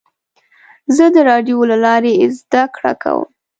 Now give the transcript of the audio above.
زه د راډیو له لارې زده کړه کوم.